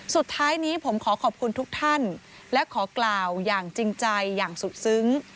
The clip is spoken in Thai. สุดท้ายนี้ผมขอขอบคุณทุกท่านและขอกล่าวอย่างจริงใจอย่างสุดซึ้ง